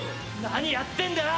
何やってんだよ！